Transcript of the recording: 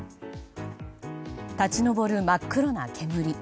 立ち上る真っ黒な煙。